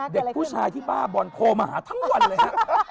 เด็กผู้ชายที่บ้าบอลโทรมาหาทั้งวันเลยฮะ